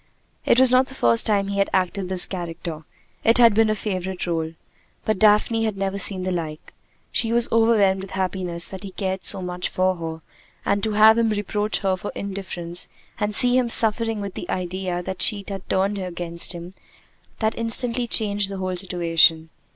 It was not the first time he had acted this character. It had been a favorite role. But Daphne had never seen the like. She was overwhelmed with happiness that he cared so much for her; and to have him reproach her for indifference, and see him suffering with the idea that she had turned against him that instantly changed the whole situation.